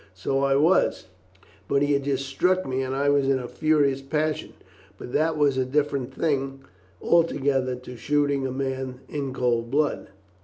"So I was; but he had just struck me and I was in a furious passion; but that was a different thing altogether to shooting a man in cold blood."